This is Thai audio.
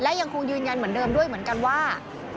และยังคงยืนยันเหมือนเดิมด้วยเหมือนกันว่า